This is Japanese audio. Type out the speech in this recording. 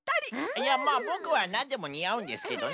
いやまあボクはなんでもにあうんですけどね。